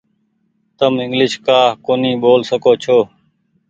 تم انگليش ڪآ ڪونيٚ ٻول سڪو ڇو۔